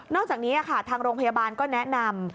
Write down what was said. อกจากนี้ค่ะทางโรงพยาบาลก็แนะนำ